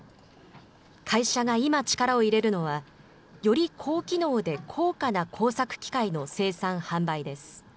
会社が今、力を入れるのは、より高機能で高価な工作機械の生産・販売です。